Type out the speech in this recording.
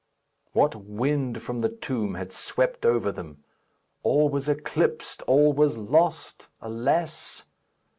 What wind from the tomb had swept over them? All was eclipsed! All was lost! Alas!